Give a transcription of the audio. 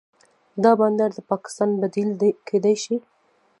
دا بندر د پاکستان بدیل کیدی شي.